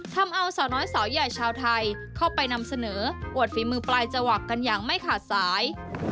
ทำเอาสาวน้อยสาวใหญ่ชาวไทยเข้าไปนำเสนออวดฝีมือปลายจวักกันอย่างไม่ขาดสาย